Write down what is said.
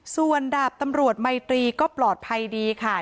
ส่วนดาบตำรวจไมตรีก็ปลอดภัยดีค่ะ